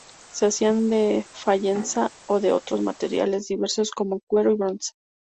Se hacían de fayenza, o de otros materiales diversos, como cuero y bronce.